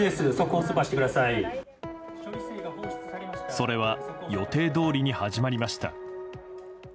それは予定どおりに始まりました。